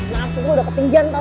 maaf sesuatu udah ketinggian tau gak